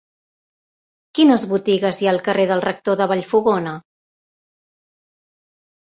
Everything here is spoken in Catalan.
Quines botigues hi ha al carrer del Rector de Vallfogona?